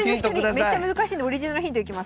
めっちゃ難しいんでオリジナルヒントいきます。